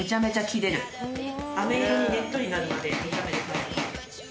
あめ色にねっとりなるまで炒めるタイプ。